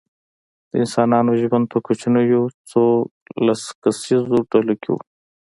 د انسانانو ژوند په کوچنیو څو لس کسیزو ډلو کې و.